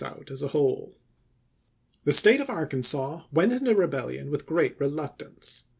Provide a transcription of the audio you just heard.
out as a whole. The State of Arkansas went into rebellion with gi'eat reluctance.